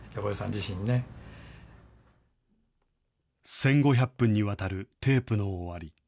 １５００分にわたるテープの終わり。